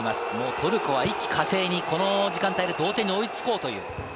トルコは一気呵成にこの時間、同点に追いつこうという。